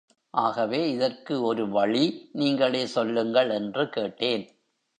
ஆகவே இதற்கு ஒரு வழி நீங்களே சொல்லுங்கள் என்று கேட்டேன்.